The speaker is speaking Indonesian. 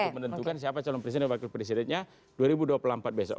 untuk menentukan siapa calon presiden dan wakil presidennya dua ribu dua puluh empat besok